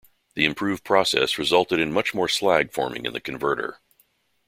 The improved process resulted in much more slag forming in the converter.